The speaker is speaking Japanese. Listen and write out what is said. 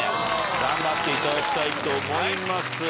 頑張っていただきたいと思います。